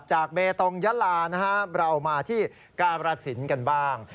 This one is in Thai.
เบตงยะลานะครับเรามาที่การสินกันบ้าง